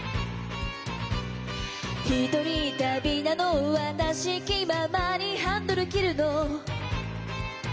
「ひとり旅なの私気ままにハンドル切るの」